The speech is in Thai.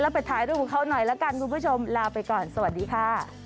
ไปถ่ายรูปกับเขาหน่อยละกันคุณผู้ชมลาไปก่อนสวัสดีค่ะ